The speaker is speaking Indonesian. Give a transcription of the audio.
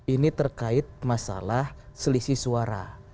ini terkait masalah selisih suara